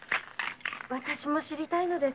わたしも知りたいのです。